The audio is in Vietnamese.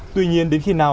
tuy nhiên đến khi nào